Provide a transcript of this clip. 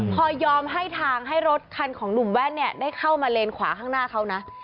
พอยอมให้ทางให้รถคันของหนุ่มแว่นเนี่ยได้เข้ามาเลนขวาข้างหน้าเขานะ